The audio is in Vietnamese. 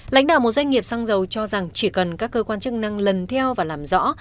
lãnh đạo một doanh nghiệp xăng dầu cho rằng chỉ cần các cơ quan chức năng lần theo và làm rõ